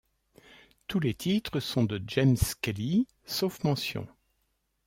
Tous les titres sont de James Skelly, sauf mentions.